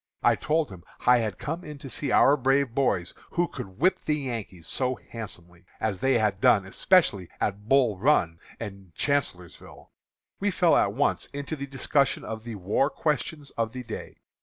I told him I had come in to see our brave boys, who could whip the Yankees so handsomely, as they had done especially at Bull Run and Chancellorsville. We fell at once to the discussion of the war questions of the day.